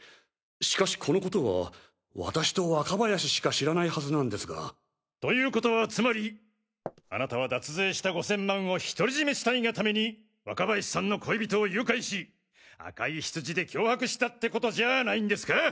しかしこのことは私と若林しか知らないはずなんですが。ということはつまりあなたは脱税した５０００万を独り占めしたいが為に若林さんの恋人を誘拐し赤いヒツジで脅迫したってことじゃないんですか！